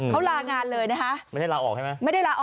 เขารางานเลยนะคะ